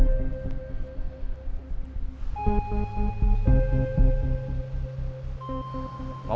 kami sudah mencari penyelesaian dan mencari penyelesaian